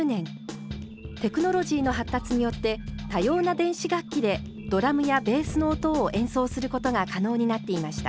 テクノロジーの発達によって多様な電子楽器でドラムやベースの音を演奏することが可能になっていました。